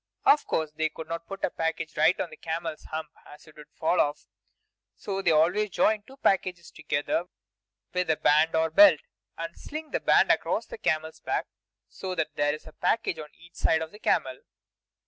Of course they could not put a package right on a camel's hump, as it would fall off; so they always join two packages together with a band or belt, and sling the band across the camel's back, so that there is a package on each side of the camel.